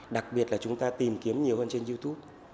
đặc biệt là chúng ta tìm kiếm nhiều hơn trên youtube